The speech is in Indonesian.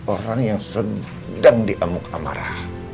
orang yang sedang diamuk amarah